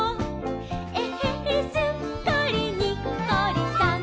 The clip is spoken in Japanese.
「えへへすっかりにっこりさん！」